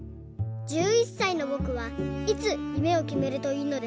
１１さいのぼくはいつゆめをきめるといいのですか？」。